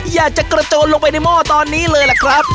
อยากจะกระโจนลงไปในหม้อตอนนี้เลยล่ะครับ